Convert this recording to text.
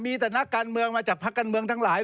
มีแต่นักการเมืองมาจากภาคการเมืองทั้งหลาย